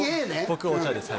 僕お茶です